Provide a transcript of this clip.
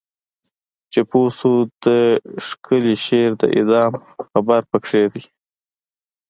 چې پوه شو د ښکلی شعر د اعدام خبر پکې دی